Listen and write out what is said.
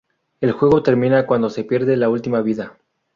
El juego termina cuando se pierde la última vida.